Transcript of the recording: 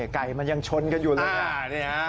ไก่มันยังชนกันอยู่เลย